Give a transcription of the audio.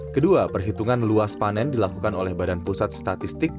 kedua perhitungan luas panen dilakukan oleh badan pusat statistik